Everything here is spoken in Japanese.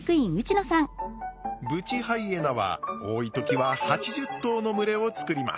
ブチハイエナは多い時は８０頭の群れを作ります。